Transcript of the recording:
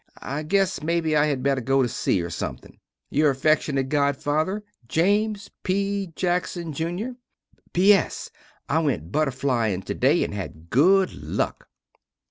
I guess mebbe I had better go to sea or something. Your affeckshunate godfather, James P. Jackson Jr. P.S. I went butterflying to day and had good luck.